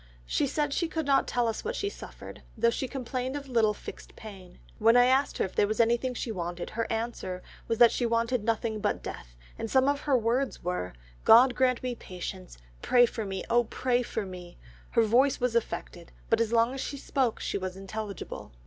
She said she could not tell us what she suffered, though she complained of little fixed pain. When I asked her if there was anything she wanted, her answer was she wanted nothing but death, and some of her words were, 'God grant me patience; pray for me, oh, pray for me!' Her voice was affected, but as long as she spoke she was intelligible.